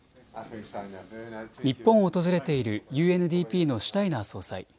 日本を訪れているＵＮＤＰのシュタイナー総裁。